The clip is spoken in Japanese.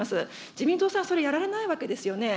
自民党さん、それやられないわけですよね。